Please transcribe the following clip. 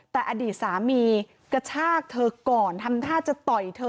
แต่อดีตสามีกระชากเธอก่อนทำท่าจะต่อยเธอ